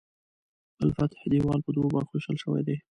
د الفتح دیوال په دوو برخو ویشل شوی دی.